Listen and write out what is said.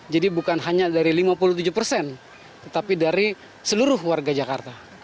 jadi bukan hanya dari lima puluh tujuh persen tetapi dari seluruh warga jakarta